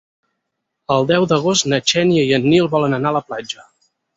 El deu d'agost na Xènia i en Nil volen anar a la platja.